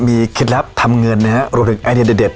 มีเคล็ดลับทำเงินนะฮะรวมถึงไอเดียเด็ด